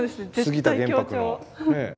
杉田玄白の。